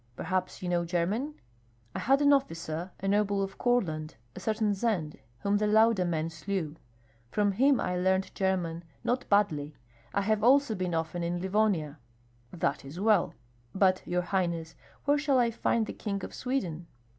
Perhaps you know German?" "I had an officer, a noble of Courland, a certain Zend, whom the Lauda men slew; from him I learned German not badly. I have also been often in Livonia." "That is well." "But, your highness, where shall I find the King of Sweden?"